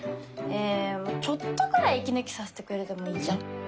えちょっとぐらい息抜きさせてくれてもいいじゃん？